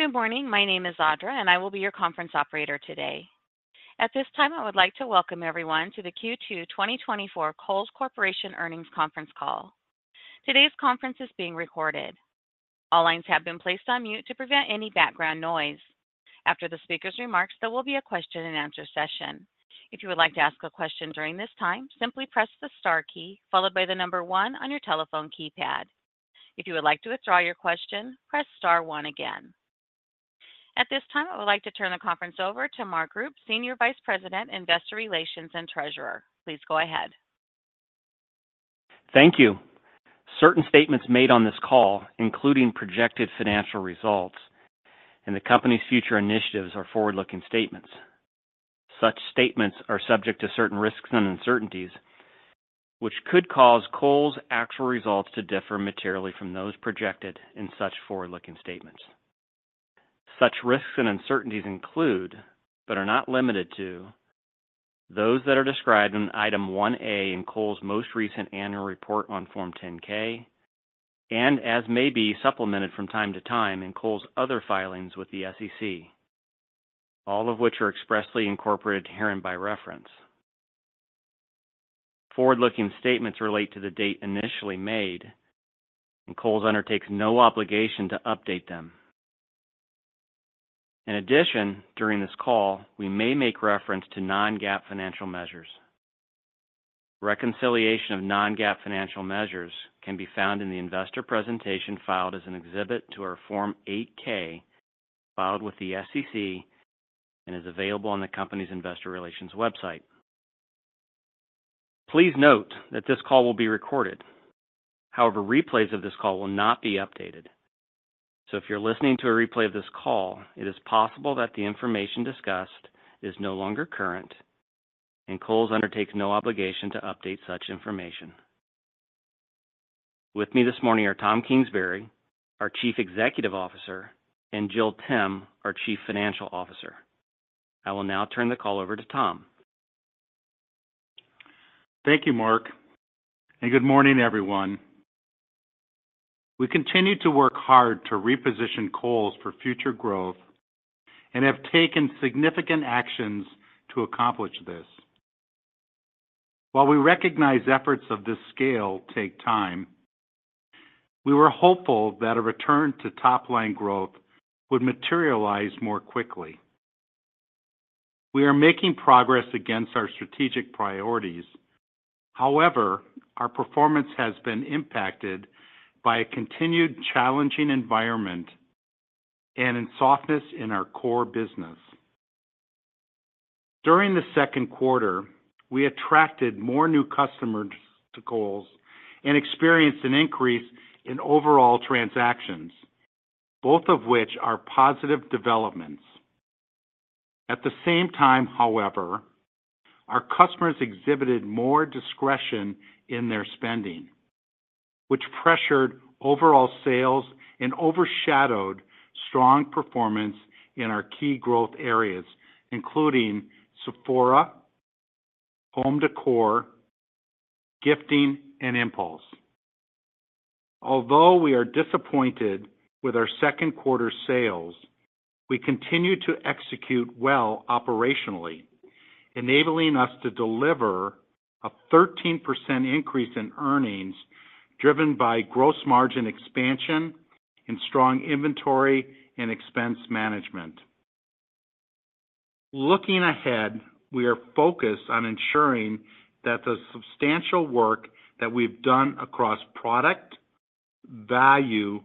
Good morning. My name is Audra, and I will be your conference operator today. At this time, I would like to welcome everyone to the Q2 2024 Kohl's Corporation Earnings Conference Call. Today's conference is being recorded. All lines have been placed on mute to prevent any background noise. After the speaker's remarks, there will be a question and answer session. If you would like to ask a question during this time, simply press the star key followed by the number one on your telephone keypad. If you would like to withdraw your question, press star one again. At this time, I would like to turn the conference over to Mark Rupe, Senior Vice President, Investor Relations, and Treasurer. Please go ahead. Thank you. Certain statements made on this call, including projected financial results and the company's future initiatives, are forward-looking statements. Such statements are subject to certain risks and uncertainties, which could cause Kohl's actual results to differ materially from those projected in such forward-looking statements. Such risks and uncertainties include, but are not limited to, those that are described in Item 1A in Kohl's most recent annual report on Form 10-K and as may be supplemented from time to time in Kohl's other filings with the SEC, all of which are expressly incorporated herein by reference. Forward-looking statements relate to the date initially made, and Kohl's undertakes no obligation to update them. In addition, during this call, we may make reference to non-GAAP financial measures. Reconciliation of non-GAAP financial measures can be found in the investor presentation, filed as an exhibit to our Form 8-K filed with the SEC, and is available on the company's investor relations website. Please note that this call will be recorded. However, replays of this call will not be updated, so if you're listening to a replay of this call, it is possible that the information discussed is no longer current and Kohl's undertakes no obligation to update such information. With me this morning are Tom Kingsbury, our Chief Executive Officer, and Jill Timm, our Chief Financial Officer. I will now turn the call over to Tom. Thank you, Mark, and good morning, everyone. We continue to work hard to reposition Kohl's for future growth and have taken significant actions to accomplish this. While we recognize efforts of this scale take time, we were hopeful that a return to top-line growth would materialize more quickly. We are making progress against our strategic priorities. However, our performance has been impacted by a continued challenging environment and in softness in our core business. During the second quarter, we attracted more new customers to Kohl's and experienced an increase in overall transactions, both of which are positive developments. At the same time, however, our customers exhibited more discretion in their spending, which pressured overall sales and overshadowed strong performance in our key growth areas, including Sephora, home decor, gifting, and impulse. Although we are disappointed with our second quarter sales, we continue to execute well operationally, enabling us to deliver a 13% increase in earnings, driven by gross margin expansion and strong inventory and expense management. Looking ahead, we are focused on ensuring that the substantial work that we've done across product, value,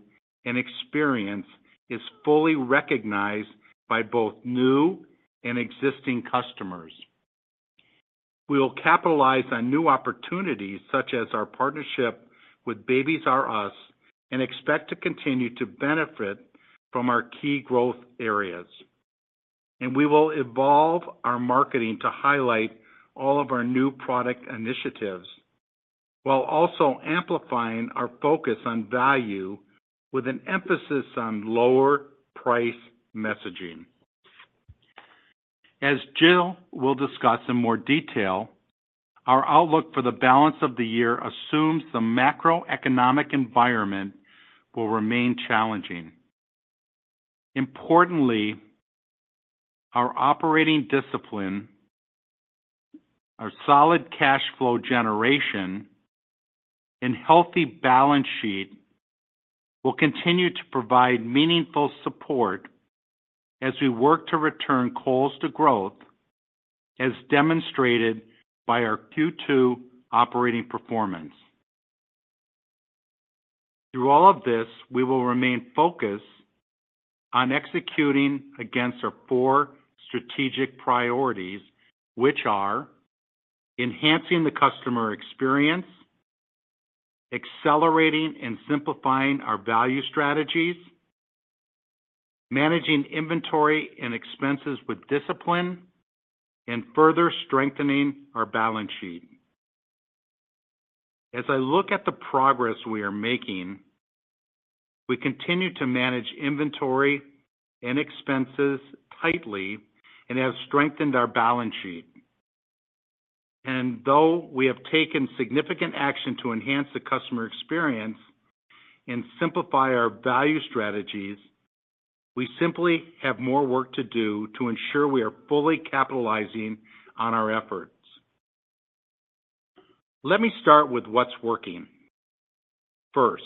and experience is fully recognized by both new and existing customers. We will capitalize on new opportunities, such as our partnership with Babies "R" Us, and expect to continue to benefit from our key growth areas, and we will evolve our marketing to highlight all of our new product initiatives, while also amplifying our focus on value with an emphasis on lower price messaging. As Jill will discuss in more detail, our outlook for the balance of the year assumes the macroeconomic environment will remain challenging. Importantly, our operating discipline, our solid cash flow generation, and healthy balance sheet will continue to provide meaningful support as we work to return Kohl's to growth, as demonstrated by our Q2 operating performance. Through all of this, we will remain focused on executing against our four strategic priorities, which are: enhancing the customer experience, accelerating and simplifying our value strategies, managing inventory and expenses with discipline, and further strengthening our balance sheet. As I look at the progress we are making, we continue to manage inventory and expenses tightly and have strengthened our balance sheet, and though we have taken significant action to enhance the customer experience and simplify our value strategies, we simply have more work to do to ensure we are fully capitalizing on our efforts. Let me start with what's working. First,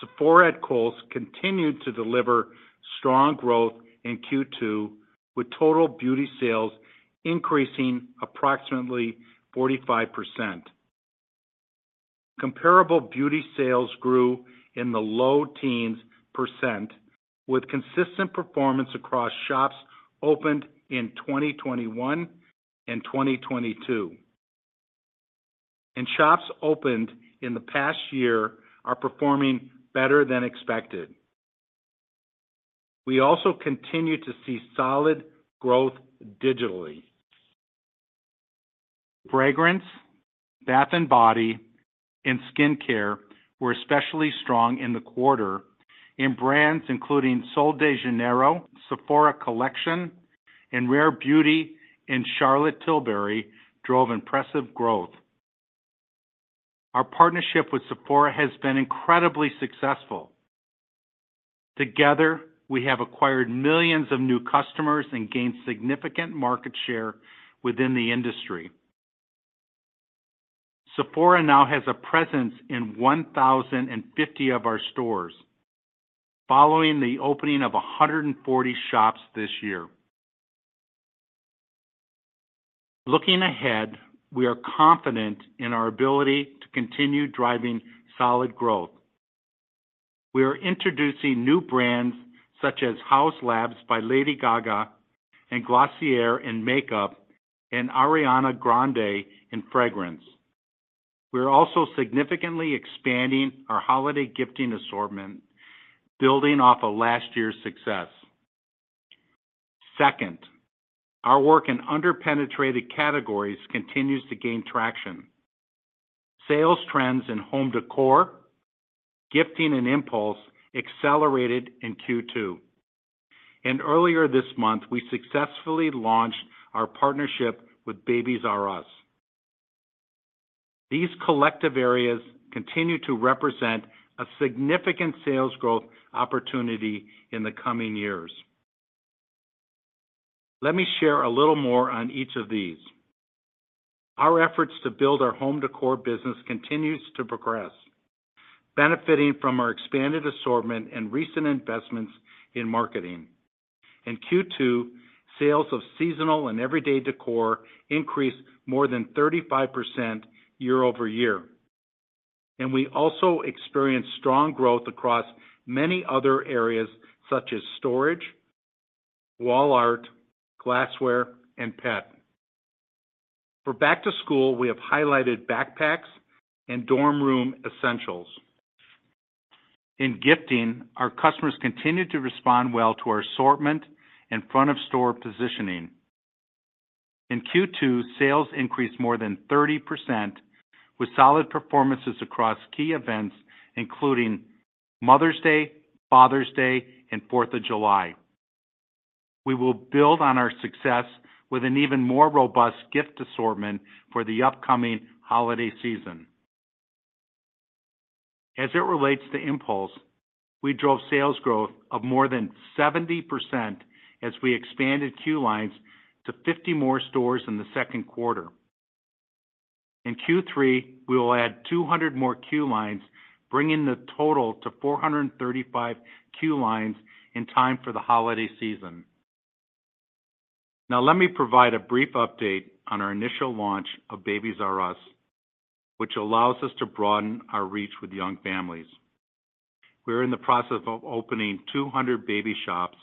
Sephora at Kohl's continued to deliver strong growth in Q2, with total beauty sales increasing approximately 45%. Comparable beauty sales grew in the low teens percent, with consistent performance across shops opened in 2021 and 2022. Shops opened in the past year are performing better than expected. We also continue to see solid growth digitally. Fragrance, bath and body, and skincare were especially strong in the quarter, and brands including Sol de Janeiro, Sephora Collection, and Rare Beauty, and Charlotte Tilbury drove impressive growth. Our partnership with Sephora has been incredibly successful. Together, we have acquired millions of new customers and gained significant market share within the industry. Sephora now has a presence in 1,050 of our stores, following the opening of 140 shops this year. Looking ahead, we are confident in our ability to continue driving solid growth. We are introducing new brands such as Haus Labs by Lady Gaga and Glossier in makeup, and Ariana Grande in fragrance. We are also significantly expanding our holiday gifting assortment, building off of last year's success. Second, our work in under-penetrated categories continues to gain traction. Sales trends in home decor, gifting and impulse accelerated in Q2, and earlier this month, we successfully launched our partnership with Babies "R" Us. These collective areas continue to represent a significant sales growth opportunity in the coming years. Let me share a little more on each of these. Our efforts to build our home decor business continues to progress, benefiting from our expanded assortment and recent investments in marketing. In Q2, sales of seasonal and everyday decor increased more than 35% year-over-year, and we also experienced strong growth across many other areas such as storage, wall art, glassware, and pet. For back to school, we have highlighted backpacks and dorm room essentials. In gifting, our customers continued to respond well to our assortment and front-of-store positioning. In Q2, sales increased more than 30%, with solid performances across key events, including Mother's Day, Father's Day, and Fourth of July. We will build on our success with an even more robust gift assortment for the upcoming holiday season. As it relates to impulse, we drove sales growth of more than 70% as we expanded queue lines to 50 more stores in the second quarter. In Q3, we will add 200 more queue lines, bringing the total to 435 queue lines in time for the holiday season. Now, let me provide a brief update on our initial launch of Babies "R" Us, which allows us to broaden our reach with young families. We're in the process of opening 200 baby shops,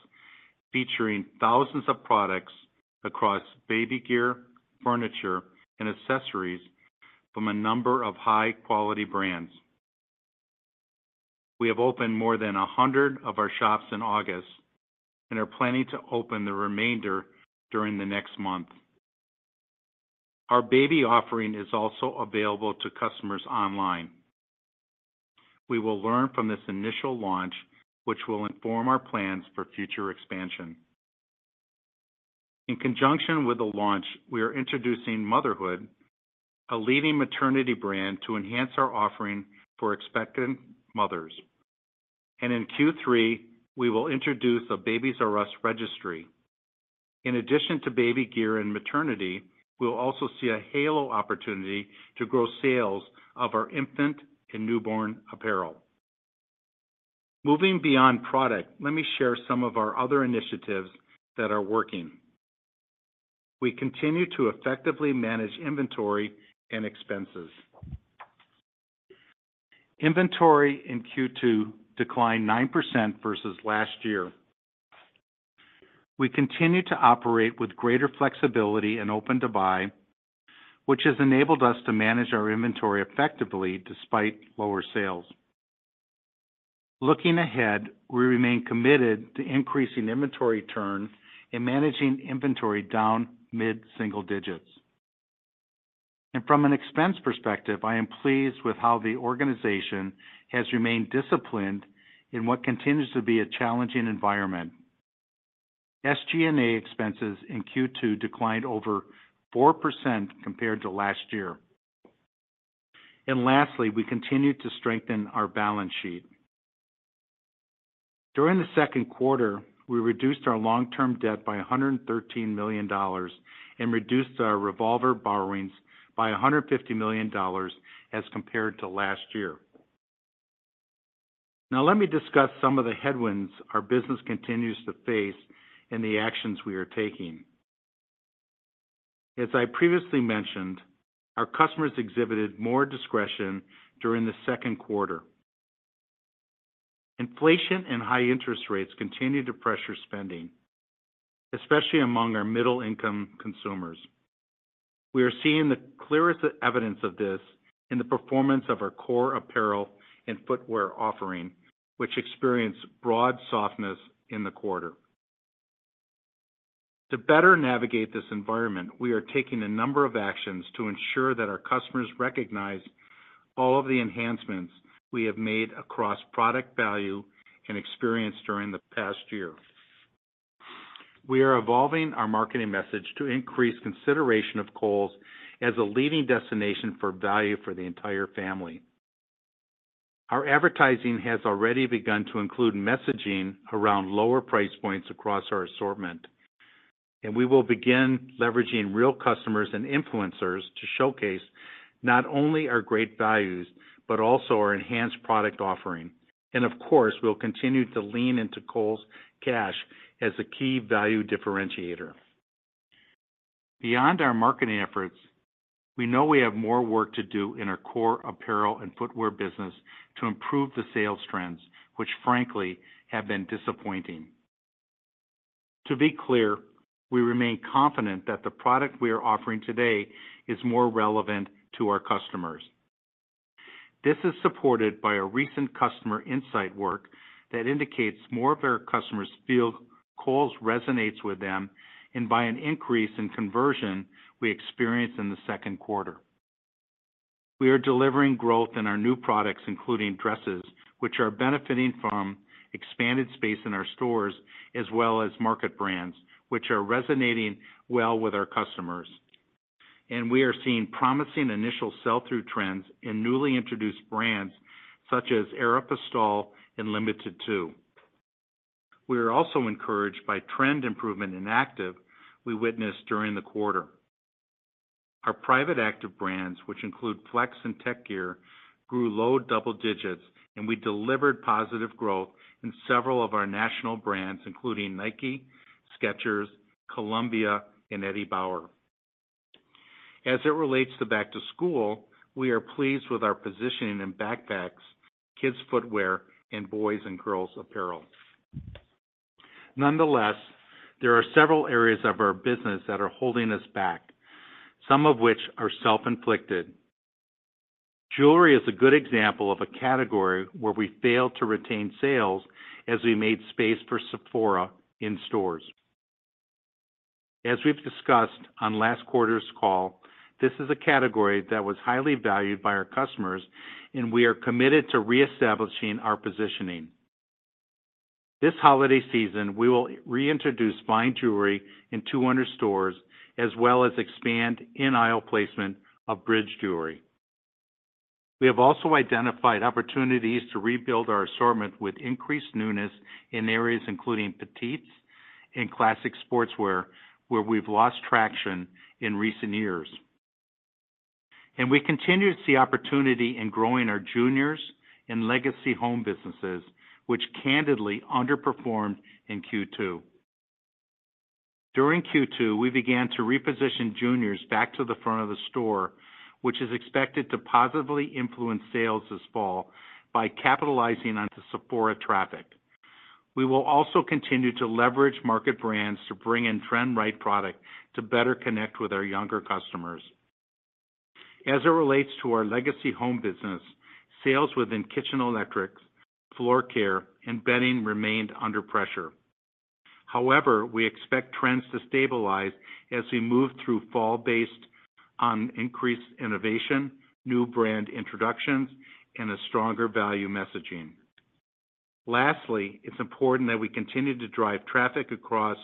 featuring thousands of products across baby gear, furniture, and accessories from a number of high-quality brands. We have opened more than 100 of our shops in August and are planning to open the remainder during the next month. Our baby offering is also available to customers online. We will learn from this initial launch, which will inform our plans for future expansion. In conjunction with the launch, we are introducing Motherhood, a leading maternity brand, to enhance our offering for expectant mothers, and in Q3, we will introduce a Babies "R" Us registry. In addition to baby gear and maternity, we'll also see a halo opportunity to grow sales of our infant and newborn apparel. Moving beyond product, let me share some of our other initiatives that are working. We continue to effectively manage inventory and expenses. Inventory in Q2 declined 9% versus last year. We continue to operate with greater flexibility and open-to-buy, which has enabled us to manage our inventory effectively despite lower sales. Looking ahead, we remain committed to increasing inventory turn and managing inventory down mid-single digits, and from an expense perspective, I am pleased with how the organization has remained disciplined in what continues to be a challenging environment. SG&A expenses in Q2 declined over 4% compared to last year. Lastly, we continued to strengthen our balance sheet. During the second quarter, we reduced our long-term debt by $113 million and reduced our revolver borrowings by $150 million as compared to last year. Now, let me discuss some of the headwinds our business continues to face and the actions we are taking. As I previously mentioned, our customers exhibited more discretion during the second quarter. Inflation and high interest rates continued to pressure spending, especially among our middle-income consumers. We are seeing the clearest evidence of this in the performance of our core apparel and footwear offering, which experienced broad softness in the quarter. To better navigate this environment, we are taking a number of actions to ensure that our customers recognize all of the enhancements we have made across product value and experience during the past year. We are evolving our marketing message to increase consideration of Kohl's as a leading destination for value for the entire family. Our advertising has already begun to include messaging around lower price points across our assortment, and we will begin leveraging real customers and influencers to showcase not only our great values, but also our enhanced product offering, and of course, we'll continue to lean into Kohl's Cash as a key value differentiator. Beyond our marketing efforts, we know we have more work to do in our core apparel and footwear business to improve the sales trends, which frankly, have been disappointing. To be clear, we remain confident that the product we are offering today is more relevant to our customers. This is supported by a recent customer insight work that indicates more of our customers feel Kohl's resonates with them and by an increase in conversion we experienced in the second quarter. We are delivering growth in our new products, including dresses, which are benefiting from expanded space in our stores, as well as market brands, which are resonating well with our customers, and we are seeing promising initial sell-through trends in newly introduced brands such as Aeropostale and Limited Too. We are also encouraged by trend improvement in actives we witnessed during the quarter. Our private active brands, which include FLX and Tek Gear, grew low double digits, and we delivered positive growth in several of our national brands, including Nike, Skechers, Columbia, and Eddie Bauer. As it relates to back to school, we are pleased with our positioning in backpacks, kids' footwear, and boys and girls apparel. Nonetheless, there are several areas of our business that are holding us back, some of which are self-inflicted. Jewelry is a good example of a category where we failed to retain sales as we made space for Sephora in stores. As we've discussed on last quarter's call, this is a category that was highly valued by our customers, and we are committed to reestablishing our positioning. This holiday season, we will reintroduce fine jewelry in 200 stores, as well as expand in-aisle placement of bridge jewelry. We have also identified opportunities to rebuild our assortment with increased newness in areas including petites and classic sportswear, where we've lost traction in recent years. We continue to see opportunity in growing our juniors and legacy home businesses, which candidly underperformed in Q2. During Q2, we began to reposition juniors back to the front of the store, which is expected to positively influence sales this fall by capitalizing on the Sephora traffic. We will also continue to leverage market brands to bring in trend-right product to better connect with our younger customers. As it relates to our legacy home business, sales within kitchen electrics, floor care, and bedding remained under pressure. However, we expect trends to stabilize as we move through fall based on increased innovation, new brand introductions, and a stronger value messaging. Lastly, it's important that we continue to drive traffic across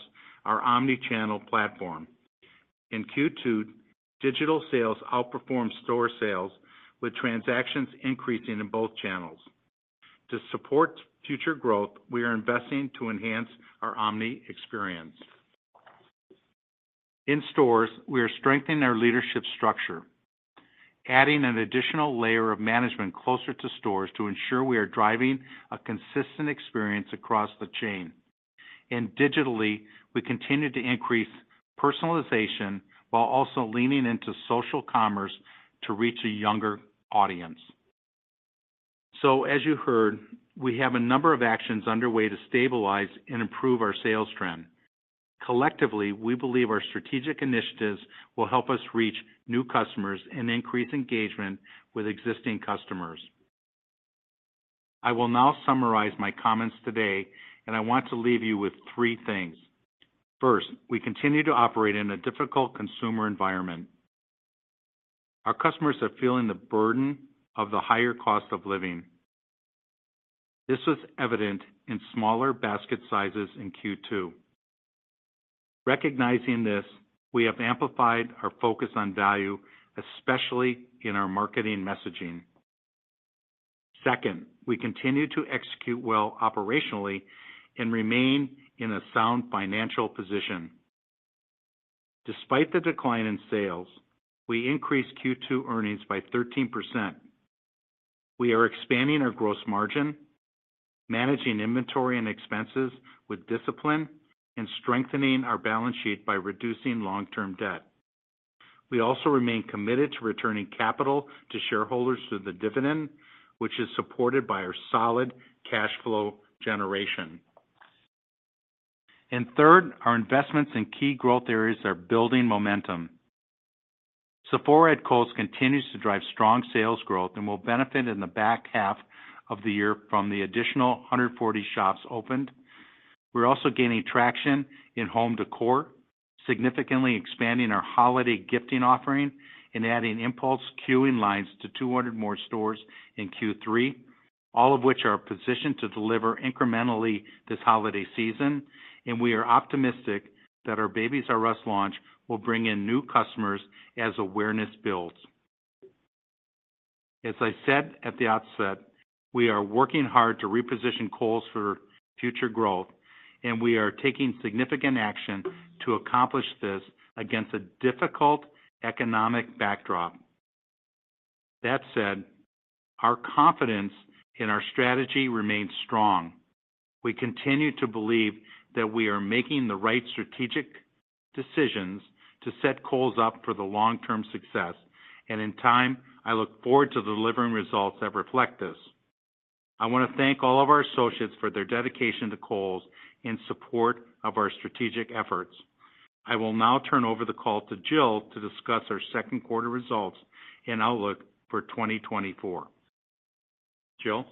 our omni-channel platform. In Q2, digital sales outperformed store sales, with transactions increasing in both channels. To support future growth, we are investing to enhance our omni experience. In stores, we are strengthening our leadership structure, adding an additional layer of management closer to stores to ensure we are driving a consistent experience across the chain. Digitally, we continue to increase personalization while also leaning into social commerce to reach a younger audience. So as you heard, we have a number of actions underway to stabilize and improve our sales trend. Collectively, we believe our strategic initiatives will help us reach new customers and increase engagement with existing customers. I will now summarize my comments today, and I want to leave you with three things. First, we continue to operate in a difficult consumer environment... Our customers are feeling the burden of the higher cost of living. This was evident in smaller basket sizes in Q2. Recognizing this, we have amplified our focus on value, especially in our marketing messaging. Second, we continue to execute well operationally and remain in a sound financial position. Despite the decline in sales, we increased Q2 earnings by 13%. We are expanding our gross margin, managing inventory and expenses with discipline, and strengthening our balance sheet by reducing long-term debt. We also remain committed to returning capital to shareholders through the dividend, which is supported by our solid cash flow generation. And third, our investments in key growth areas are building momentum. Sephora at Kohl's continues to drive strong sales growth and will benefit in the back half of the year from the additional 140 shops opened. We're also gaining traction in home decor, significantly expanding our holiday gifting offering and adding impulse queuing lines to two hundred more stores in Q3, all of which are positioned to deliver incrementally this holiday season, and we are optimistic that our Babies "R" Us launch will bring in new customers as awareness builds. As I said at the outset, we are working hard to reposition Kohl's for future growth, and we are taking significant action to accomplish this against a difficult economic backdrop. That said, our confidence in our strategy remains strong. We continue to believe that we are making the right strategic decisions to set Kohl's up for the long-term success, and in time, I look forward to delivering results that reflect this. I want to thank all of our associates for their dedication to Kohl's in support of our strategic efforts. I will now turn over the call to Jill to discuss our second quarter results and outlook for 2024. Jill?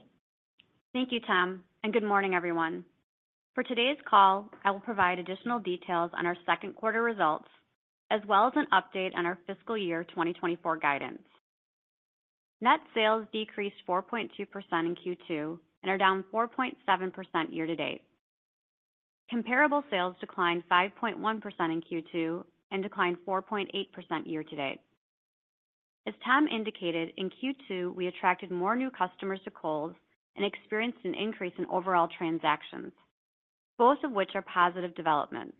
Thank you, Tom, and good morning, everyone. For today's call, I will provide additional details on our second quarter results, as well as an update on our fiscal year 2024 guidance. Net sales decreased 4.2% in Q2 and are down 4.7% year to date. Comparable sales declined 5.1% in Q2 and declined 4.8% year to date. As Tom indicated, in Q2, we attracted more new customers to Kohl's and experienced an increase in overall transactions, both of which are positive developments.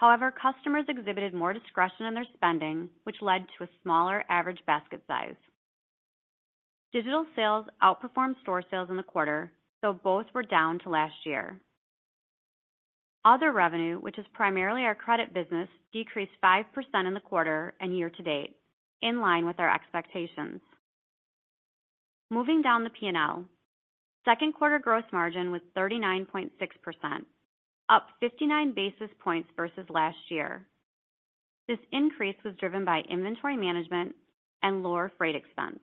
However, customers exhibited more discretion in their spending, which led to a smaller average basket size. Digital sales outperformed store sales in the quarter, though both were down to last year. Other revenue, which is primarily our credit business, decreased 5% in the quarter and year to date, in line with our expectations. Moving down the P&L, second quarter gross margin was 39.6%, up 59 basis points versus last year. This increase was driven by inventory management and lower freight expense.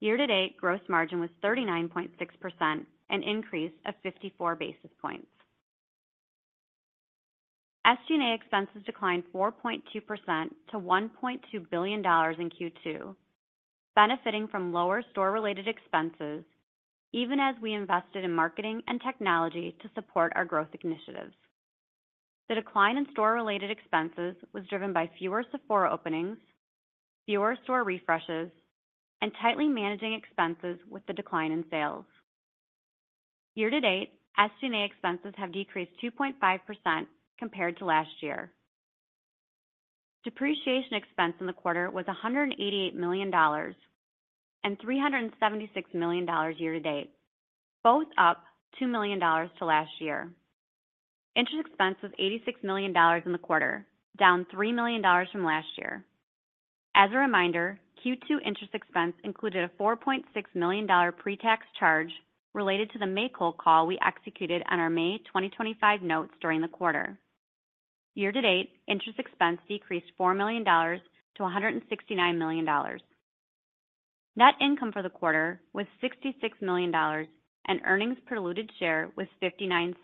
Year to date, gross margin was 39.6%, an increase of 54 basis points. SG&A expenses declined 4.2% to $1.2 billion in Q2, benefiting from lower store-related expenses even as we invested in marketing and technology to support our growth initiatives. The decline in store-related expenses was driven by fewer Sephora openings, fewer store refreshes, and tightly managing expenses with the decline in sales. Year to date, SG&A expenses have decreased 2.5% compared to last year. Depreciation expense in the quarter was $188 million and $376 million year to date, both up $2 million to last year. Interest expense was $86 million in the quarter, down $3 million from last year. As a reminder, Q2 interest expense included a $4.6 million pre-tax charge related to the make-whole call we executed on our May 2025 notes during the quarter. Year to date, interest expense decreased $4 million to $169 million. Net income for the quarter was $66 million, and earnings per diluted share was $0.59.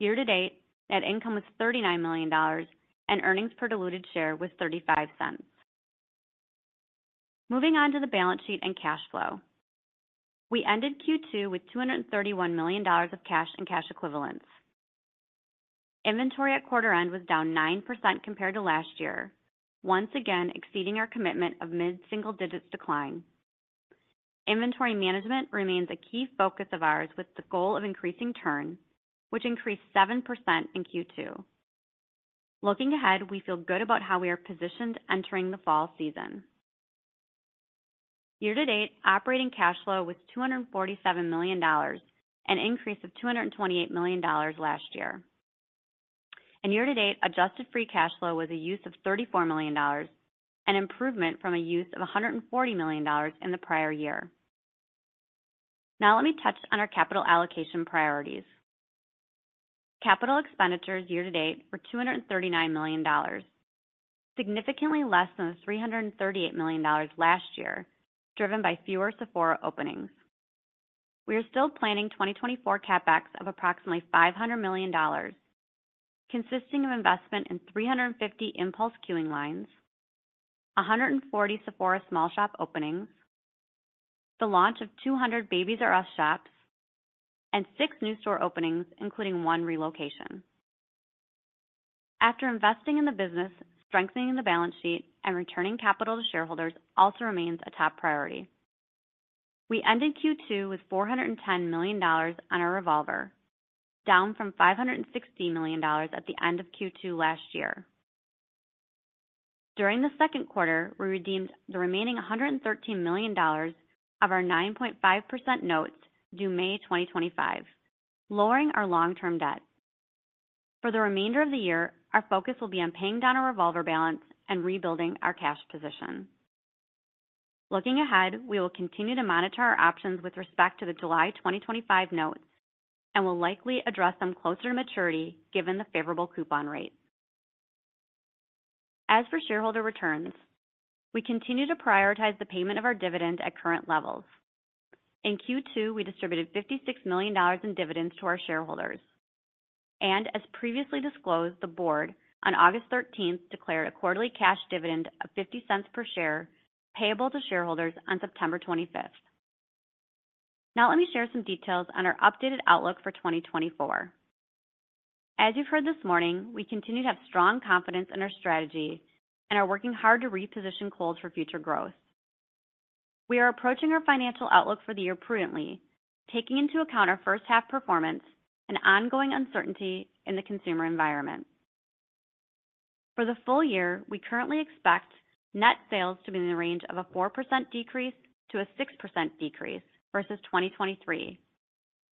Year to date, net income was $39 million, and earnings per diluted share was $0.35. Moving on to the balance sheet and cash flow. We ended Q2 with $231 million of cash and cash equivalents. Inventory at quarter end was down 9% compared to last year, once again exceeding our commitment of mid-single digits decline. Inventory management remains a key focus of ours, with the goal of increasing turn, which increased 7% in Q2. Looking ahead, we feel good about how we are positioned entering the fall season. Year to date, operating cash flow was $247 million, an increase of $228 million last year. Year to date, adjusted free cash flow was a use of $34 million, an improvement from a use of $140 million in the prior year. Now let me touch on our capital allocation priorities. Capital expenditures year to date were $239 million, significantly less than the $338 million last year, driven by fewer Sephora openings. We are still planning 2024 CapEx of approximately $500 million, consisting of investment in 350 impulse queuing lines, 140 Sephora small shop openings, the launch of 200 Babies "R" Us shops, and six new store openings, including one relocation. After investing in the business, strengthening the balance sheet and returning capital to shareholders also remains a top priority. We ended Q2 with $410 million on our revolver, down from $560 million at the end of Q2 last year. During the second quarter, we redeemed the remaining $113 million of our 9.5% notes due May 2025, lowering our long-term debt. For the remainder of the year, our focus will be on paying down our revolver balance and rebuilding our cash position. Looking ahead, we will continue to monitor our options with respect to the July 2025 notes and will likely address them closer to maturity, given the favorable coupon rate. As for shareholder returns, we continue to prioritize the payment of our dividend at current levels. In Q2, we distributed $56 million in dividends to our shareholders, and as previously disclosed, the board on August 13th declared a quarterly cash dividend of $0.50 per share, payable to shareholders on September 25th. Now, let me share some details on our updated outlook for 2024. As you've heard this morning, we continue to have strong confidence in our strategy and are working hard to reposition Kohl's for future growth. We are approaching our financial outlook for the year prudently, taking into account our first half performance and ongoing uncertainty in the consumer environment. For the full year, we currently expect net sales to be in the range of a 4% decrease to a 6% decrease versus 2023,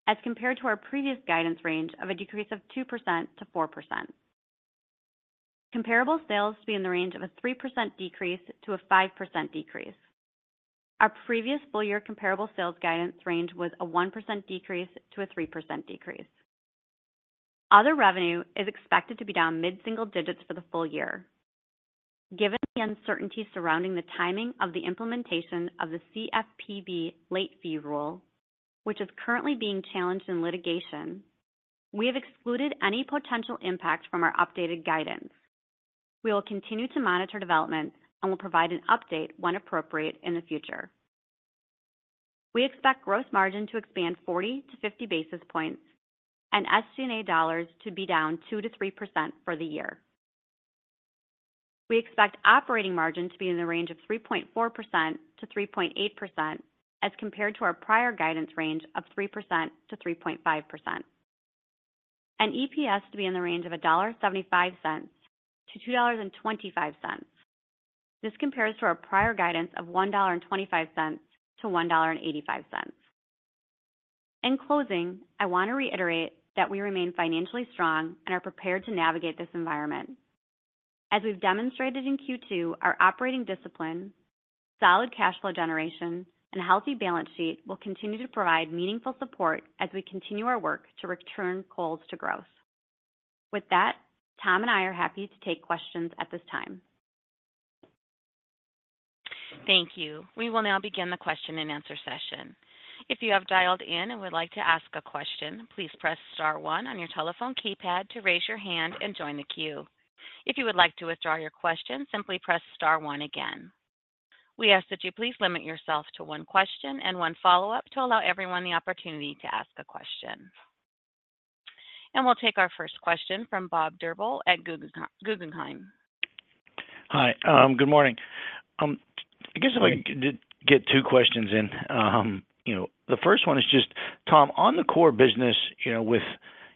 as compared to our previous guidance range of a 2%-4% decrease. Comparable sales to be in the range of a 3% decrease to a 5% decrease. Our previous full year comparable sales guidance range was a 1% decrease to a 3% decrease. Other revenue is expected to be down mid-single digits for the full year. Given the uncertainty surrounding the timing of the implementation of the CFPB late fee rule, which is currently being challenged in litigation, we have excluded any potential impact from our updated guidance. We will continue to monitor developments and will provide an update when appropriate in the future. We expect gross margin to expand 40-50 basis points and SG&A dollars to be down 2%-3% for the year. We expect operating margin to be in the range of 3.4%-3.8%, as compared to our prior guidance range of 3%-3.5%. And EPS to be in the range of $1.75-$2.25. This compares to our prior guidance of $1.25-$1.85. In closing, I want to reiterate that we remain financially strong and are prepared to navigate this environment. As we've demonstrated in Q2, our operating discipline, solid cash flow generation, and healthy balance sheet will continue to provide meaningful support as we continue our work to return Kohl's to growth. With that, Tom and I are happy to take questions at this time. Thank you. We will now begin the question and answer session. If you have dialed in and would like to ask a question, please press star one on your telephone keypad to raise your hand and join the queue. If you would like to withdraw your question, simply press star one again. We ask that you please limit yourself to one question and one follow-up to allow everyone the opportunity to ask a question. And we'll take our first question from Bob Drbul at Guggenheim. Hi, good morning. I guess if I could get two questions in. You know, the first one is just, Tom, on the core business, you know, with,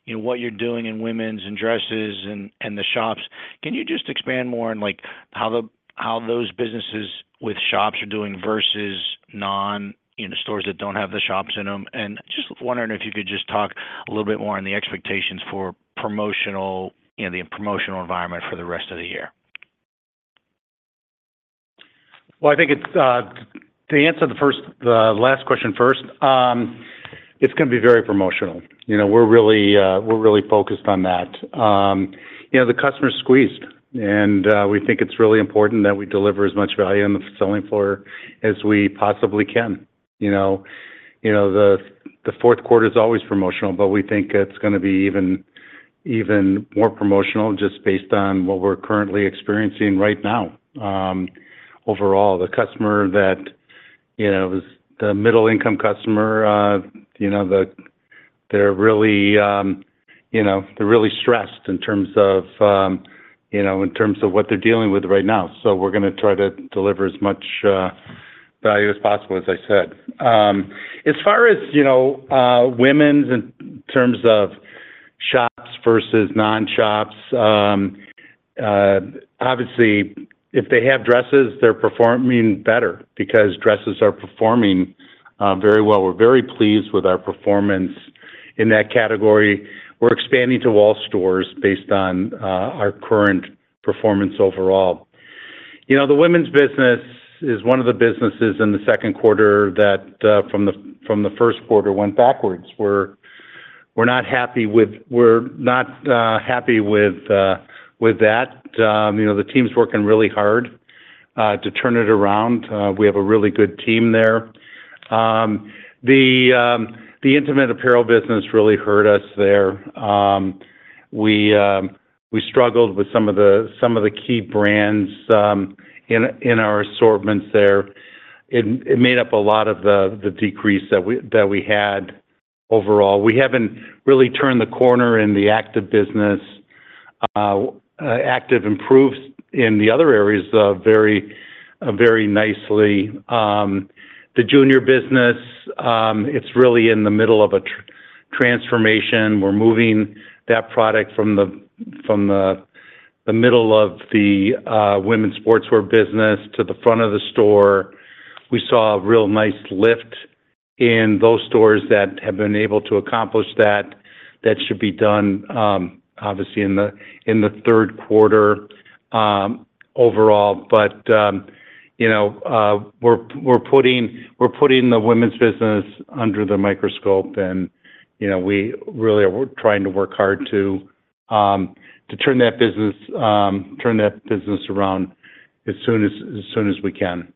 you know, what you're doing in women's and dresses and, and the shops, can you just expand more on, like, how the, how those businesses with shops are doing versus non, you know, stores that don't have the shops in them? And just wondering if you could just talk a little bit more on the expectations for promotional, you know, the promotional environment for the rest of the year. Well, I think it's to answer the first, the last question first. It's going to be very promotional. You know, we're really, we're really focused on that. You know, the customer is squeezed, and we think it's really important that we deliver as much value on the selling floor as we possibly can. You know, you know, the fourth quarter is always promotional, but we think it's gonna be even, even more promotional just based on what we're currently experiencing right now. Overall, the customer that you know is the middle-income customer, you know, the, they're really, you know, they're really stressed in terms of, you know, in terms of what they're dealing with right now. So we're gonna try to deliver as much value as possible, as I said. As far as, you know, women's, in terms of shops versus non-shops, obviously, if they have dresses, they're performing better because dresses are performing very well. We're very pleased with our performance in that category. We're expanding to all stores based on our current performance overall. You know, the women's business is one of the businesses in the second quarter that, from the first quarter, went backwards. We're not happy with that. You know, the team's working really hard to turn it around. We have a really good team there. The intimate apparel business really hurt us there. We struggled with some of the key brands in our assortments there. It made up a lot of the decrease that we had overall. We haven't really turned the corner in the active business. Active improves in the other areas, though, very nicely. The junior business, it's really in the middle of a transformation. We're moving that product from the middle of the women's sportswear business to the front of the store. We saw a real nice lift in those stores that have been able to accomplish that. That should be done, obviously, in the third quarter, overall. But, you know, we're putting the women's business under the microscope and, you know, we really are trying to work hard to turn that business around as soon as we can.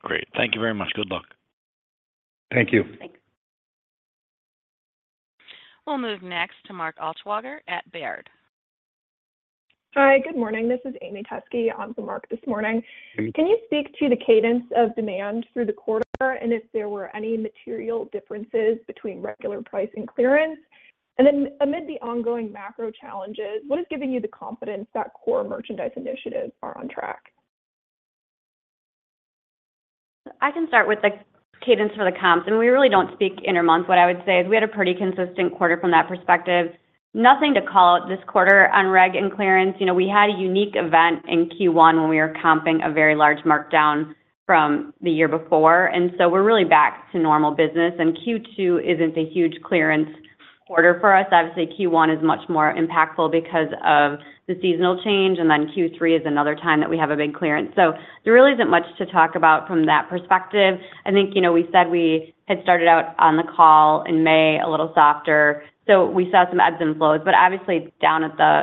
Great. Thank you very much. Good luck. Thank you. Thanks. We'll move next to Mark Altschwager at Baird. Hi, good morning. This is Amy Teske on for Mark this morning. Hey. Can you speak to the cadence of demand through the quarter, and if there were any material differences between regular price and clearance? And then, amid the ongoing macro challenges, what is giving you the confidence that core merchandise initiatives are on track? I can start with the cadence for the comps, and we really don't speak intermonth. What I would say is, we had a pretty consistent quarter from that perspective. Nothing to call out this quarter on reg and clearance. You know, we had a unique event in Q1 when we were comping a very large markdown from the year before, and so we're really back to normal business, and Q2 isn't a huge clearance quarter for us. Obviously, Q1 is much more impactful because of the seasonal change, and then Q3 is another time that we have a big clearance, so there really isn't much to talk about from that perspective. I think, you know, we said we had started out on the call in May a little softer, so we saw some ebbs and flows, but obviously down at the,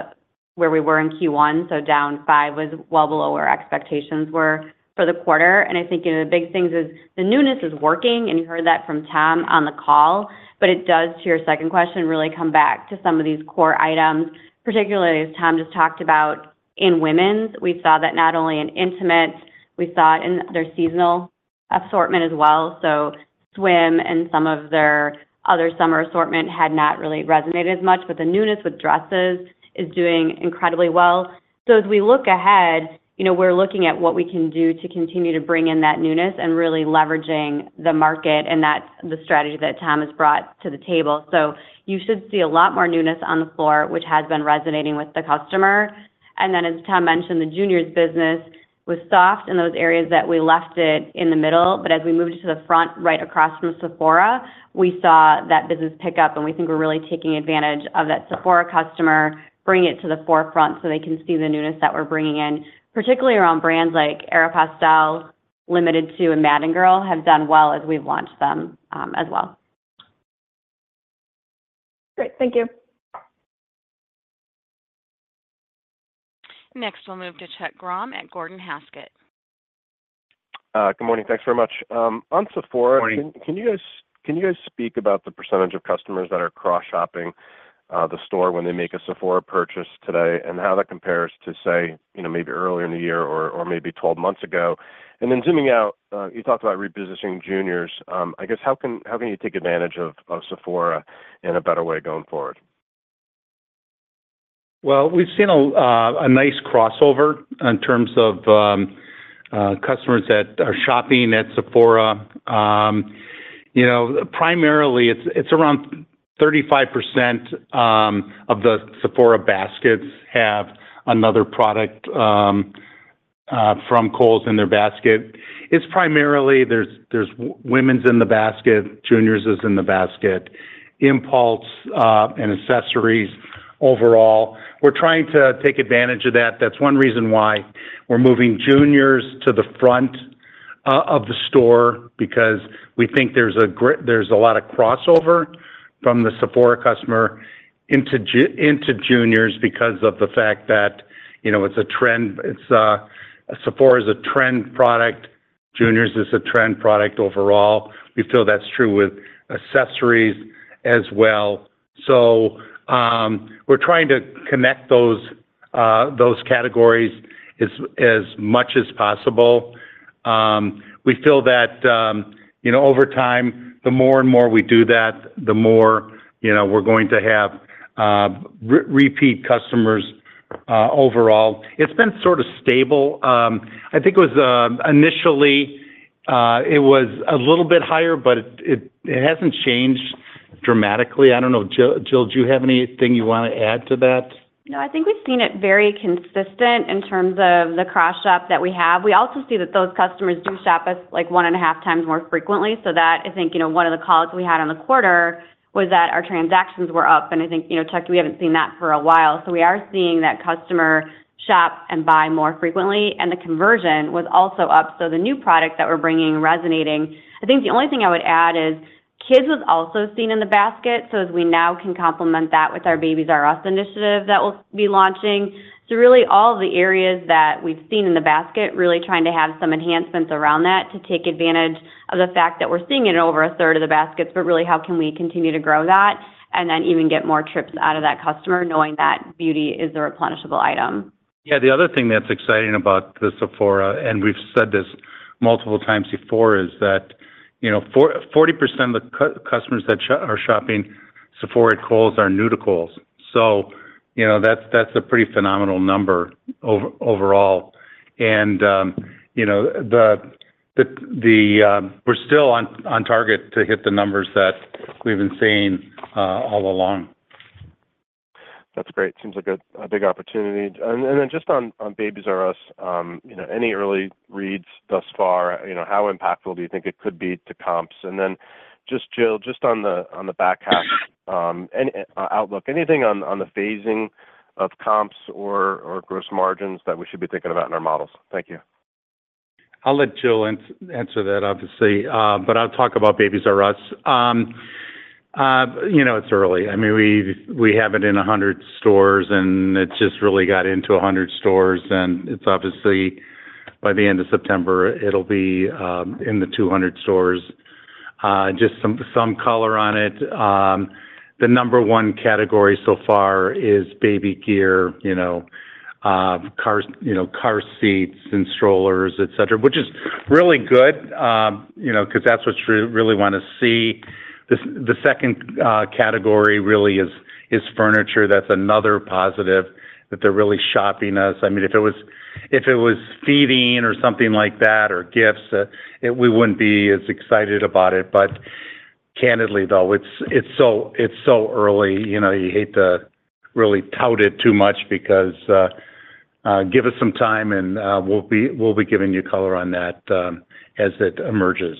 where we were in Q1, so down five was well below where expectations were for the quarter, and I think, you know, the big things is the newness is working, and you heard that from Tom on the call, but it does, to your second question, really come back to some of these core items, particularly as Tom just talked about in women's. We saw that not only in intimate. We saw it in their seasonal assortment as well, so swim and some of their other summer assortment had not really resonated as much, but the newness with dresses is doing incredibly well. So as we look ahead, you know, we're looking at what we can do to continue to bring in that newness and really leveraging the market, and that's the strategy that Tom has brought to the table. So you should see a lot more newness on the floor, which has been resonating with the customer. Then, as Tom mentioned, the juniors business was soft in those areas that we left it in the middle, but as we moved it to the front, right across from Sephora, we saw that business pick up, and we think we're really taking advantage of that Sephora customer, bringing it to the forefront so they can see the newness that we're bringing in, particularly around brands like Aeropostale, Limited Too, and Madden Girl have done well as we've launched them, as well. Great. Thank you. Next, we'll move to Chuck Grom at Gordon Haskett. Good morning. Thanks very much. On Sephora- Morning. Can you guys speak about the percentage of customers that are cross-shopping the store when they make a Sephora purchase today, and how that compares to, say, you know, maybe earlier in the year or maybe 12 months ago? And then zooming out, you talked about repositioning juniors. I guess, how can you take advantage of Sephora in a better way going forward? We've seen a nice crossover in terms of customers that are shopping at Sephora. You know, primarily, it's around 35% of the Sephora baskets have another product from Kohl's in their basket. It's primarily. There's women's in the basket, juniors is in the basket, impulse, and accessories overall. We're trying to take advantage of that. That's one reason why we're moving juniors to the front of the store, because we think there's a great. There's a lot of crossover from the Sephora customer into juniors because of the fact that, you know, it's a trend. It's Sephora is a trend product. Juniors is a trend product overall. We feel that's true with accessories as well. We're trying to connect those categories as much as possible. We feel that, you know, over time, the more and more we do that, the more, you know, we're going to have repeat customers overall. It's been sort of stable. I think it was initially a little bit higher, but it hasn't changed dramatically. I don't know. Jill, do you have anything you want to add to that? No, I think we've seen it very consistent in terms of the cross shop that we have. We also see that those customers do shop us, like, one and a half times more frequently. So that, I think, you know, one of the calls we had on the quarter was that our transactions were up, and I think, you know, Chuck, we haven't seen that for a while. So we are seeing that customer shop and buy more frequently, and the conversion was also up, so the new product that we're bringing resonating. I think the only thing I would add is kids was also seen in the basket, so as we now can complement that with our Babies "R" Us initiative that we'll be launching. Really, all the areas that we've seen in the basket, really trying to have some enhancements around that to take advantage of the fact that we're seeing it in over a third of the baskets. Really, how can we continue to grow that and then even get more trips out of that customer, knowing that beauty is a replenishable item. Yeah, the other thing that's exciting about the Sephora, and we've said this multiple times before, is that, you know, for 40% of the customers that are shopping Sephora at Kohl's are new to Kohl's. So, you know, that's a pretty phenomenal number overall. And, you know, we're still on target to hit the numbers that we've been seeing all along. That's great. Seems like a big opportunity. And then just on Babies "R" Us, you know, any early reads thus far, you know, how impactful do you think it could be to comps? Then just, Jill, just on the back half, any outlook, anything on the phasing of comps or gross margins that we should be thinking about in our models? Thank you. I'll let Jill answer that, obviously, but I'll talk about Babies "R" Us. You know, it's early. I mean, we have it in a 100 stores, and it's just really got into a 100 stores, and it's obviously by the end of September, it'll be in the 200 stores. Just some color on it. The number one category so far is baby gear, you know, cars, you know, car seats and strollers, et cetera, which is really good, you know, because that's what you really wanna see. The second category really is furniture. That's another positive that they're really shopping us. I mean, if it was feeding or something like that, or gifts, it, we wouldn't be as excited about it. But candidly, though, it's so early, you know, you hate to really tout it too much because. Give us some time, and we'll be giving you color on that as it emerges.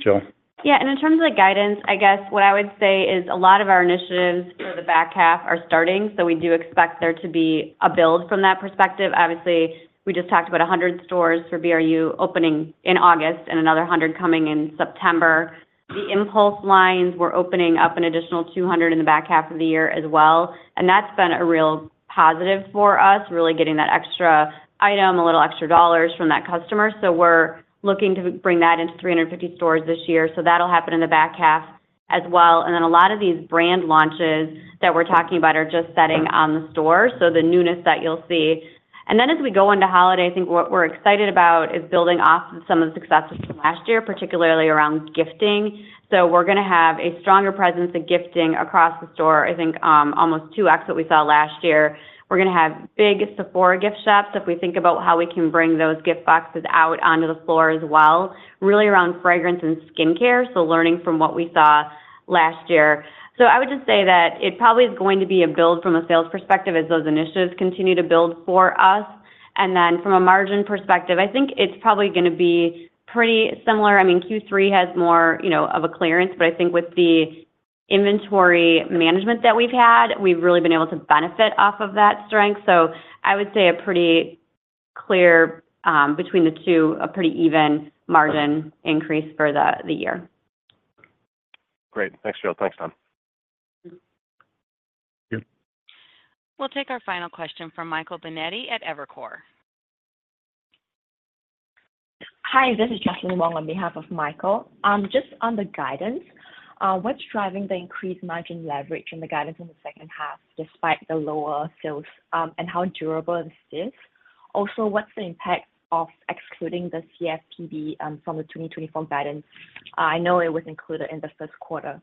Jill? Yeah, and in terms of the guidance, I guess what I would say is a lot of our initiatives for the back half are starting, so we do expect there to be a build from that perspective. Obviously, we just talked about a 100 stores for BRU opening in August and another 100 coming in September. The impulse lines, we're opening up an additional 200 in the back half of the year as well, and that's been a real positive for us, really getting that extra item, a little extra dollars from that customer. So we're looking to bring that into 350 stores this year. So that'll happen in the back half as well. And then a lot of these brand launches that we're talking about are just setting on the store, so the newness that you'll see. Then as we go into holiday, I think what we're excited about is building off some of the successes from last year, particularly around gifting. So we're gonna have a stronger presence in gifting across the store. I think almost 2x what we saw last year. We're gonna have big Sephora gift shops if we think about how we can bring those gift boxes out onto the floor as well, really around fragrance and skincare, so learning from what we saw last year. So I would just say that it probably is going to be a build from a sales perspective as those initiatives continue to build for us. And then from a margin perspective, I think it's probably gonna be pretty similar. I mean, Q3 has more, you know, of a clearance, but I think with the inventory management that we've had, we've really been able to benefit off of that strength. So I would say a pretty clear between the two, a pretty even margin increase for the year. Great. Thanks, Jill. Thanks, Tom. Thank you. We'll take our final question from Michael Binetti at Evercore. Hi, this is Jesalyn Wong on behalf of Michael. Just on the guidance, what's driving the increased margin leverage in the guidance in the second half, despite the lower sales, and how durable is this? Also, what's the impact of excluding the CFPB from the 2024 guidance? I know it was included in the first quarter.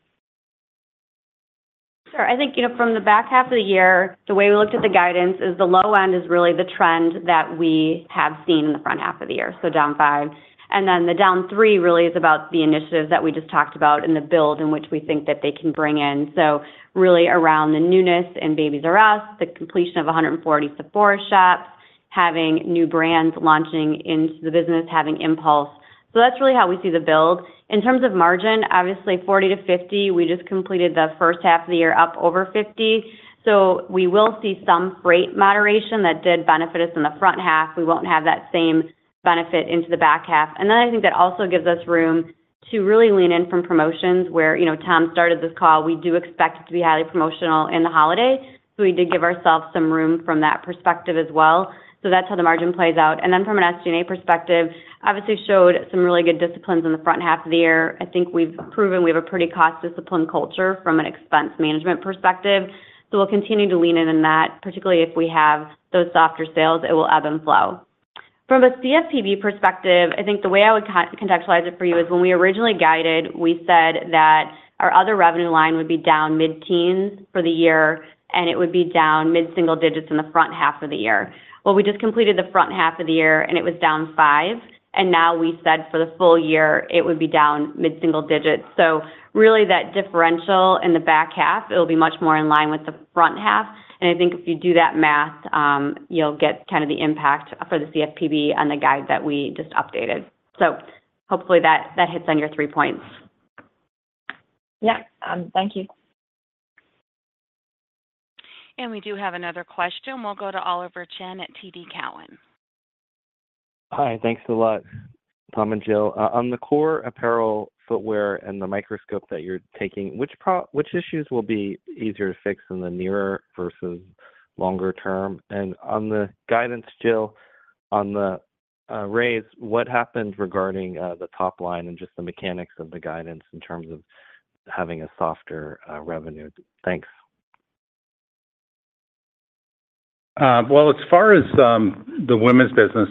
Sure. I think, you know, from the back half of the year, the way we looked at the guidance is the low end is really the trend that we have seen in the front half of the year, so down five. And then the down three really is about the initiatives that we just talked about and the build in which we think that they can bring in. So really around the newness in Babies "R" Us, the completion of 140 Sephora shops, having new brands launching into the business, having impulse. So that's really how we see the build. In terms of margin, obviously 40-50, we just completed the first half of the year, up over 50, so we will see some freight moderation that did benefit us in the front half. We won't have that same benefit into the back half. Then I think that also gives us room to really lean in from promotions where, you know, Tom started this call. We do expect to be highly promotional in the holiday, so we did give ourselves some room from that perspective as well. So that's how the margin plays out. And then from an SG&A perspective, obviously showed some really good disciplines in the front half of the year. I think we've proven we have a pretty cost discipline culture from an expense management perspective, so we'll continue to lean in on that, particularly if we have those softer sales, it will ebb and flow. From a CFPB perspective, I think the way I would contextualize it for you is, when we originally guided, we said that our other revenue line would be down mid-teens for the year, and it would be down mid-single digits in the front half of the year. Well, we just completed the front half of the year, and it was down five, and now we said for the full year it would be down mid-single digits. So really, that differential in the back half, it'll be much more in line with the front half. And I think if you do that math, you'll get kind of the impact for the CFPB on the guide that we just updated. So hopefully that hits on your three points. Yeah. Thank you. We do have another question. We'll go to Oliver Chen at TD Cowen. Hi, thanks a lot, Tom and Jill. On the core apparel, footwear, and the microscope that you're taking, which issues will be easier to fix in the nearer versus longer term? On the guidance, Jill, on the raise, what happened regarding the top line and just the mechanics of the guidance in terms of having a softer revenue? Thanks. Well, as far as the women's business,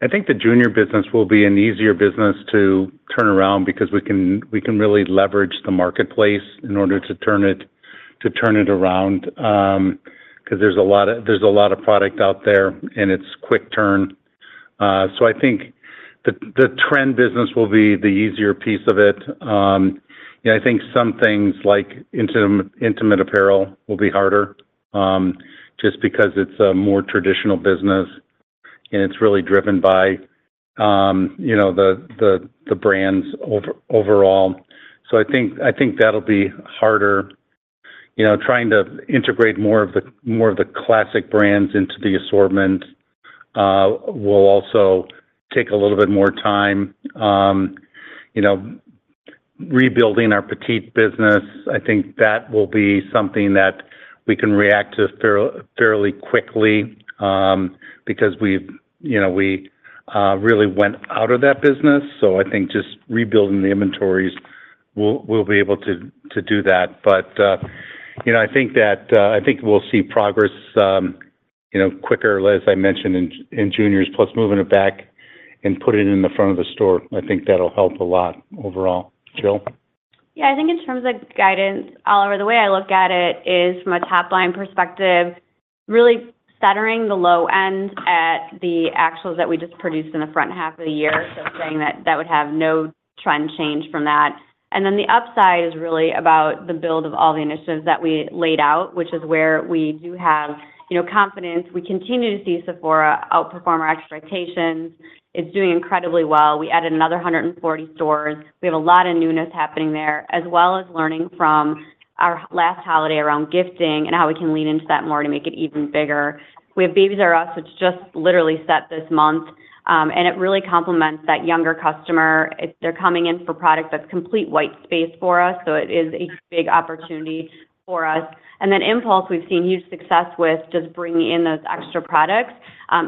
I think the junior business will be an easier business to turn around because we can really leverage the marketplace in order to turn it around, 'cause there's a lot of product out there, and it's quick turn. So I think the trend business will be the easier piece of it. You know, I think some things like intimate apparel will be harder, just because it's a more traditional business, and it's really driven by, you know, the brands overall. So I think that'll be harder. You know, trying to integrate more of the classic brands into the assortment will also take a little bit more time. You know, rebuilding our petite business, I think that will be something that we can react to fairly quickly, because we've, you know, really went out of that business, so I think just rebuilding the inventories, we'll be able to do that. You know, I think we'll see progress, you know, quicker, as I mentioned, in juniors, plus moving it back and putting it in the front of the store. I think that'll help a lot overall. Jill? Yeah, I think in terms of guidance, Oliver, the way I look at it is, from a top-line perspective, really setting the low end at the actuals that we just produced in the front half of the year, so saying that that would have no trend change from that. And then the upside is really about the build of all the initiatives that we laid out, which is where we do have, you know, confidence. We continue to see Sephora outperform our expectations. It's doing incredibly well. We added another 140 stores. We have a lot of newness happening there, as well as learning from our last holiday around gifting and how we can lean into that more to make it even bigger. We have Babies "R" Us, which just literally set this month, and it really complements that younger customer. They're coming in for product that's complete white space for us, so it is a big opportunity for us. Then Impulse, we've seen huge success with just bringing in those extra products.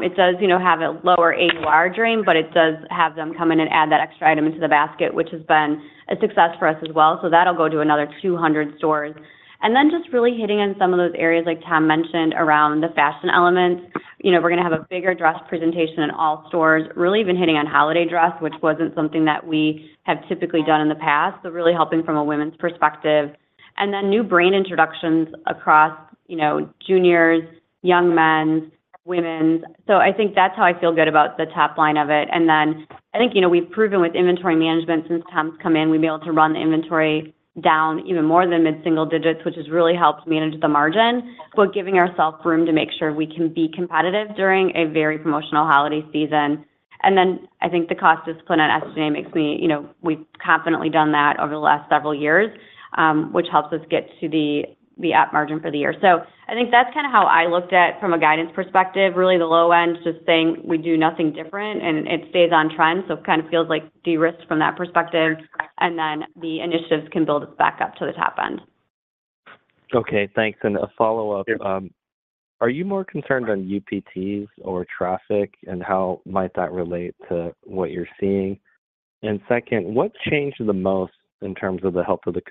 It does, you know, have a lower AUR drain, but it does have them come in and add that extra item into the basket, which has been a success for us as well, so that'll go to another 200 stores. And then just really hitting on some of those areas, like Tom mentioned, around the fashion elements. You know, we're gonna have a bigger dress presentation in all stores. Really even hitting on holiday dress, which wasn't something that we have typically done in the past, so really helping from a women's perspective. And then new brand introductions across, you know, juniors, young men's, women's. So I think that's how I feel good about the top line of it. Then I think, you know, we've proven with inventory management since Tom's come in, we've been able to run the inventory down even more than mid-single digits, which has really helped manage the margin, while giving ourself room to make sure we can be competitive during a very promotional holiday season. Then I think the cost discipline on SG&A makes me... You know, we've confidently done that over the last several years, which helps us get to the, the operating margin for the year. So I think that's kinda how I looked at from a guidance perspective, really the low end, just saying we do nothing different, and it stays on trend, so it kinda feels like de-risked from that perspective, and then the initiatives can build us back up to the top end. Okay, thanks. And a follow-up. Yep. Are you more concerned on UPTs or traffic, and how might that relate to what you're seeing? Second, what's changed the most in terms of the health of the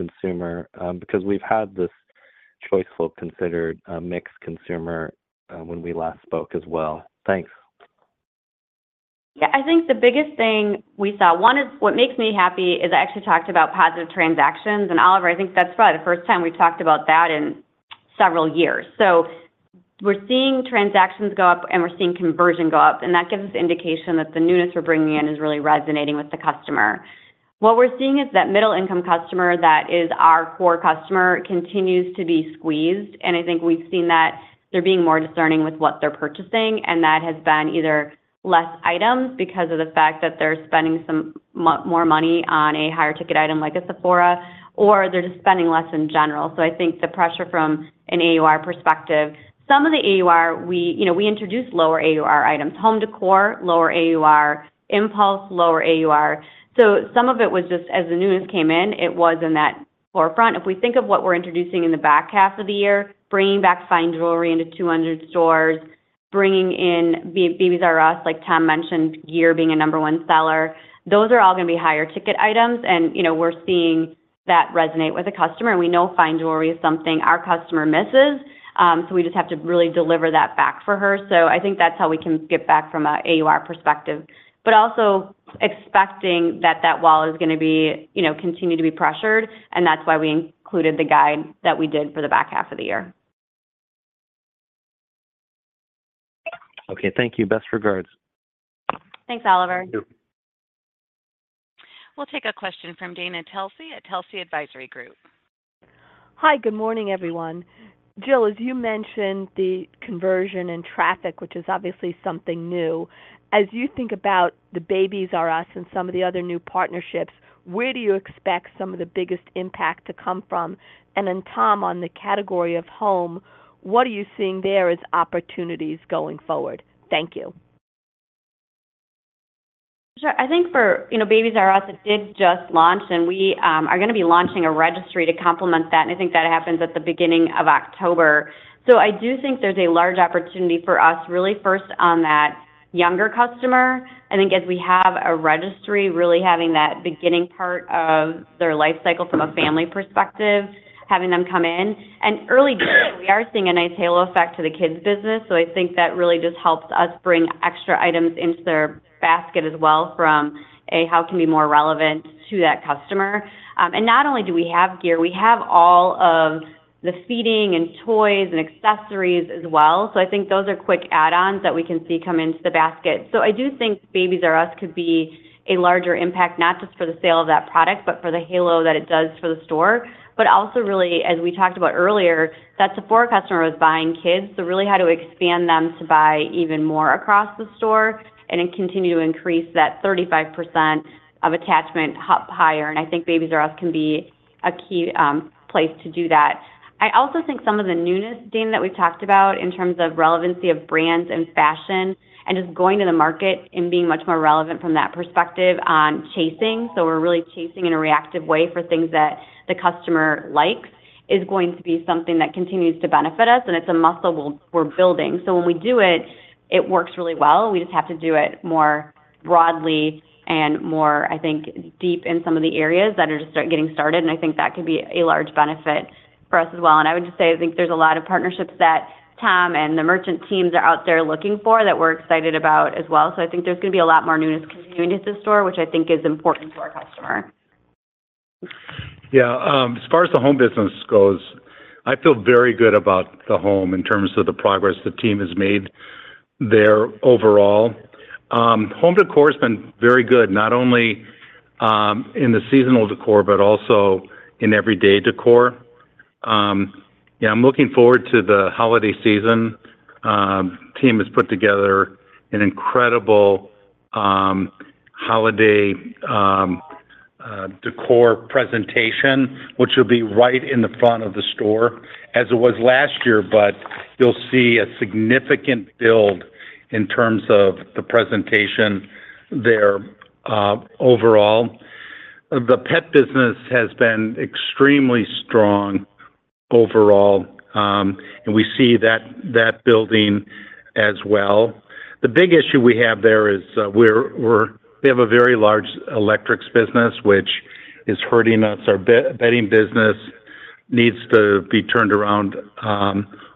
consumer? Because we've had this choice flow considered a mixed consumer, when we last spoke as well. Thanks. Yeah, I think the biggest thing we saw. One is, what makes me happy is I actually talked about positive transactions, and Oliver, I think that's probably the first time we've talked about that in several years. So we're seeing transactions go up, and we're seeing conversion go up, and that gives us indication that the newness we're bringing in is really resonating with the customer. What we're seeing is that middle-income customer that is our core customer continues to be squeezed, and I think we've seen that they're being more discerning with what they're purchasing, and that has been either less items because of the fact that they're spending some more money on a higher-ticket item, like a Sephora, or they're just spending less in general. So I think the pressure from an AUR perspective, some of the AUR, we. You know, we introduced lower AUR items. Home decor, lower AUR. Impulse, lower AUR. So some of it was just as the newness came in, it was in that forefront. If we think of what we're introducing in the back half of the year, bringing back fine jewelry into 200 stores, bringing in Babies "R" Us, like Tom mentioned, gear being a number one seller, those are all gonna be higher-ticket items, and, you know, we're seeing that resonate with the customer, and we know fine jewelry is something our customer misses, so we just have to really deliver that back for her. So I think that's how we can get back from a AUR perspective, but also expecting that that wall is gonna be, you know, continue to be pressured, and that's why we included the guide that we did for the back half of the year. Okay, thank you. Best regards. Thanks, Oliver. Thank you. We'll take a question from Dana Telsey at Telsey Advisory Group. Hi, good morning, everyone. Jill, as you mentioned, the conversion in traffic, which is obviously something new, as you think about the Babies "R" Us and some of the other new partnerships, where do you expect some of the biggest impact to come from? Then, Tom, on the category of home, what are you seeing there as opportunities going forward? Thank you. Sure. I think for, you know, Babies "R" Us, it did just launch, and we are gonna be launching a registry to complement that, and I think that happens at the beginning of October. So I do think there's a large opportunity for us, really first on that younger customer. I think as we have a registry, really having that beginning part of their life cycle from a family perspective, having them come in. And early days, we are seeing a nice halo effect to the kids business, so I think that really just helps us bring extra items into their basket as well from a, how can we be more relevant to that customer? Not only do we have gear, we have all of the feeding and toys and accessories as well. So I think those are quick add-ons that we can see come into the basket. So I do think Babies "R" Us could be a larger impact, not just for the sale of that product, but for the halo that it does for the store. But also really, as we talked about earlier, that Sephora customer was buying kids, so really how to expand them to buy even more across the store and then continue to increase that 35% of attachment up higher, and I think Babies "R" Us can be a key place to do that. I also think some of the newness, Dana, that we've talked about in terms of relevancy of brands and fashion and just going to the market and being much more relevant from that perspective on chasing. So we're really chasing in a reactive way for things that the customer likes, is going to be something that continues to benefit us, and it's a muscle we're building. So when we do it, it works really well. We just have to do it more broadly and more, I think, deep in some of the areas that are just getting started, and I think that could be a large benefit for us as well. And I would just say, I think there's a lot of partnerships that Tom and the merchant teams are out there looking for that we're excited about as well. So I think there's gonna be a lot more newness coming into the store, which I think is important to our customer. Yeah, as far as the home business goes, I feel very good about the home in terms of the progress the team has made there overall. Home decor has been very good, not only in the seasonal decor, but also in everyday decor. Yeah, I'm looking forward to the holiday season. Team has put together an incredible holiday decor presentation, which will be right in the front of the store, as it was last year, but you'll see a significant build in terms of the presentation there overall. The pet business has been extremely strong overall, and we see that building as well. The big issue we have there is, we have a very large electrics business, which is hurting us. Our bedding business needs to be turned around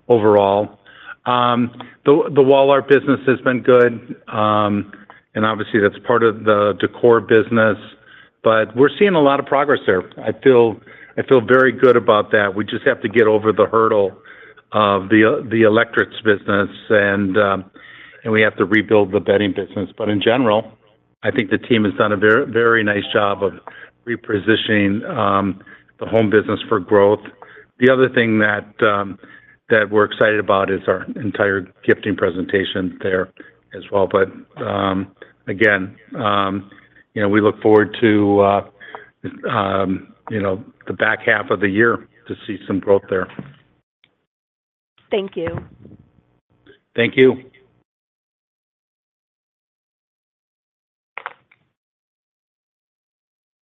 overall. The wall art business has been good, and obviously that's part of the decor business, but we're seeing a lot of progress there. I feel very good about that. We just have to get over the hurdle of the electrics business, and we have to rebuild the bedding business. But in general, I think the team has done a very, very nice job of repositioning the home business for growth. The other thing that we're excited about is our entire gifting presentation there as well. But, again, you know, we look forward to, you know, the back half of the year to see some growth there. Thank you. Thank you.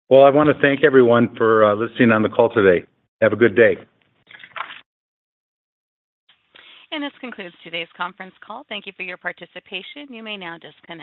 Well, I wanna thank everyone for listening on the call today. Have a good day. This concludes today's conference call. Thank you for your participation. You may now disconnect.